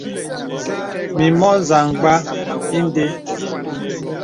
Mì mɔ̄ zàmgbā ìndē.